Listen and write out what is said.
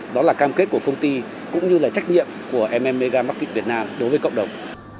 đó là cam kết của công ty cũng như là trách nhiệm của mega market việt nam đối với cộng đồng